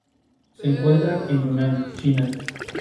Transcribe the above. La Iglesia de San Pedro es un sencillo ejemplar del románico rural.